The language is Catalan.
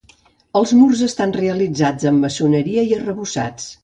Els murs estan realitzats amb maçoneria i arrebossats.